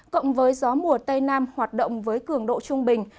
cộng với gió mùa tây nam hoạt động với cường độ trung bình